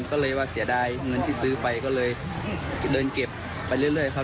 ก็เลยว่าเสียดายเงินที่ซื้อไปก็เลยเดินเก็บไปเรื่อยครับ